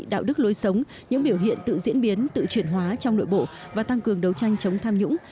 đạo đức lối sống những biểu hiện tự diễn biến tự chuyển hóa trong nội bộ và tăng cường đấu tranh chống tham nhũng